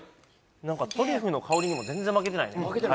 何かトリュフの香りにも全然負けてないね